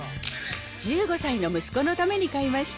１５歳の息子のために買いました。